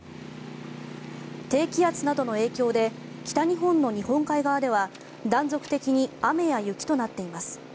低気圧などの影響で北日本の日本海側では断続的に雨や雪となっています。